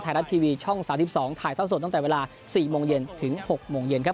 ไทยรัฐทีวีช่อง๓๒ถ่ายเท่าสดตั้งแต่เวลา๔โมงเย็นถึง๖โมงเย็นครับ